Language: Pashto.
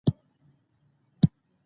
کابل د افغان کلتور سره تړاو لري.